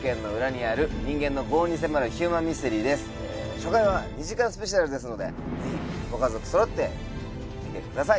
初回は２時間スペシャルですのでぜひご家族そろって観てください。